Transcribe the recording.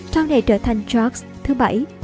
sau này trở thành george vii